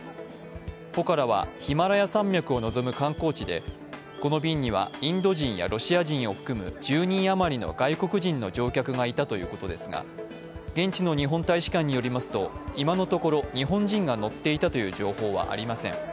ポカラはヒマラヤ山脈を望む観光地でこの便には、インド人やロシア人を含む１０人余りの外国人の乗客がいたということですが現地の日本大使館によると今のところ、日本人が乗っていたという情報はありません。